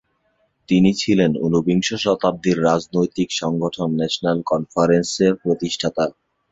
তিনি ছিলেন ঊনবিংশ শতাব্দীর রাজনৈতিক সংগঠন ন্যাশনাল কনফারেন্সের প্রতিষ্ঠাতা।